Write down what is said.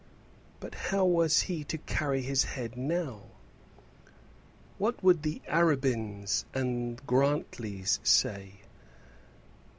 But how was he to carry his head now? What would the Arabins and Grantlys say?